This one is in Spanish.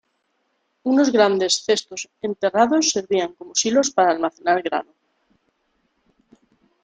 Unos grandes cestos enterrados servían como silos para almacenar grano.